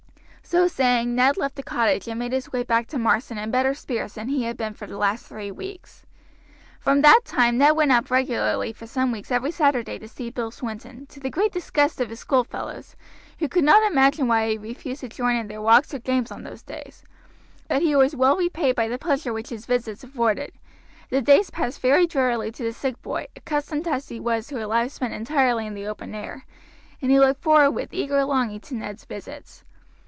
So saying Ned left the cottage and made his way back to Marsden in better spirits than he had been for the last three weeks. From that time Ned went up regularly for some weeks every Saturday to see Bill Swinton, to the great disgust of his schoolfellows, who could not imagine why he refused to join in their walks or games on those days; but he was well repaid by the pleasure which his visits afforded. The days passed very drearily to the sick boy, accustomed as he was to a life spent entirely in the open air, and he looked forward with eager longing to Ned's visits.